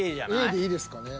Ａでいいですかね。